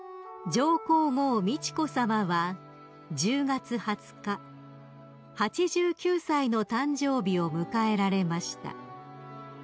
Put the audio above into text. ［上皇后美智子さまは１０月２０日８９歳の誕生日を迎えられました］